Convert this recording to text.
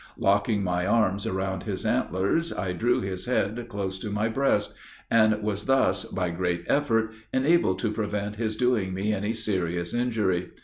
Locking my arms around his antlers, I drew his head close to my breast, and was thus, by great effort, enabled to prevent his doing me any serious injury.